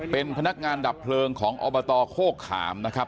เป็นพนักงานดับเพลิงของอบตโคกขามนะครับ